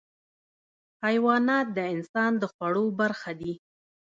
حیوانات د انسان د خوړو برخه دي.